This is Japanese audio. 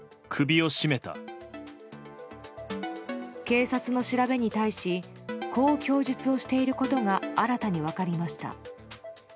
警察の調べに対しこう供述をしていることが新たに分かりました。